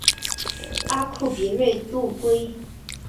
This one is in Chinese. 阿库别瑞度规。